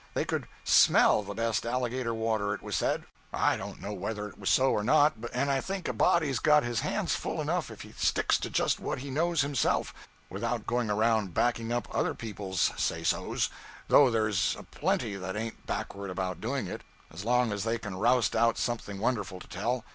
They could _smell _the best alligator water it was said; I don't know whether it was so or not, and I think a body's got his hands full enough if he sticks to just what he knows himself, without going around backing up other people's say so's, though there's a plenty that ain't backward about doing it, as long as they can roust out something wonderful to tell.